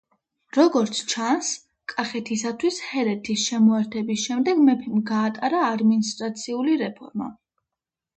როგორც ჩანს, კახეთისათვის ჰერეთის შემოერთების შემდეგ მეფემ გაატარა ადმინისტრაციული რეფორმა.